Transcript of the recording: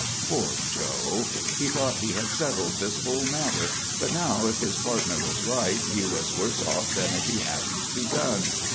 Poor Joe! He thought he had settled this whole matter; but now, if his partner was right, he was worse off than if he hadn't begun.